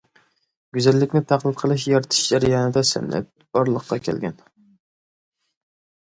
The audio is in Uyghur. گۈزەللىكنى تەقلىد قىلىش، يارىتىش جەريانىدا سەنئەت بارلىققا كەلگەن.